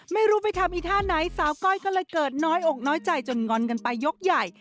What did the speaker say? ไม่รู้ไปทำอีท่าไหนสาวก้อยก็เลยเกิดน้อยอกน้อยใจจนงอนกันไปยกใหญ่